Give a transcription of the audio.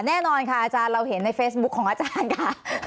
แน่นอนค่ะอาจารย์เราเห็นในเฟซบุ๊คของอาจารย์ค่ะ